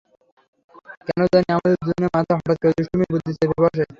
কেন জানি আমাদের দুজনের মাথায় হঠাৎ করে দুষ্টুমি বুদ্ধি চেপে বসে।